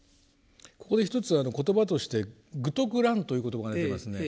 ここで一つ言葉として「愚禿鸞」という言葉が出てますね。